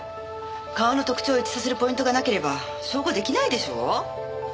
顔の特徴を一致させるポイントがなければ照合できないでしょう？